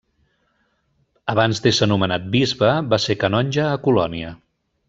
Abans d'ésser nomenat bisbe, va ser canonge a Colònia.